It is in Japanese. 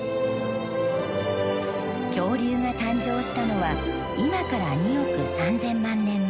恐竜が誕生したのは今から２億３，０００万年前。